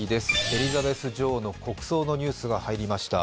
エリザベス女王の国葬のニュースが入りました。